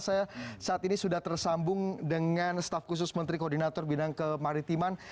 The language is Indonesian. saya saat ini sudah tersambung dengan staf khusus menteri koordinator bidang kemaritiman